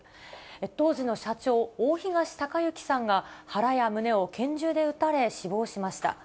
当時の社長、大東隆行さんが腹や胸を拳銃で撃たれ、死亡しました。